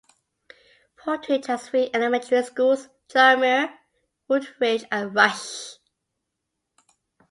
Portage has three elementary schools: John Muir, Woodridge, and Rusch.